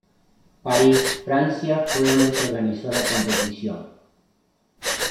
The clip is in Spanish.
París, Francia, fue donde se organizó la competición.